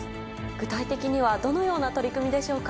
具体的にはどのような取り組みでしょうか？